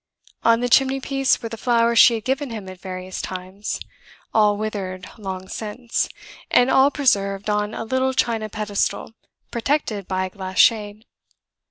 On the chimney piece were the flowers she had given him at various times, all withered long since, and all preserved on a little china pedestal, protected by a glass shade.